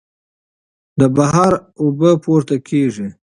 د بحر اوبه پورته کېږي.